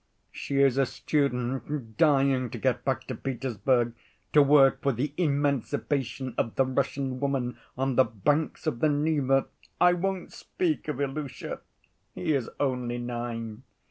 She is a student, dying to get back to Petersburg, to work for the emancipation of the Russian woman on the banks of the Neva. I won't speak of Ilusha, he is only nine.